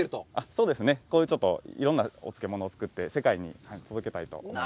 そうですね、こういうちょっと、いろんなお漬物を作って世界に届けたいと思っています。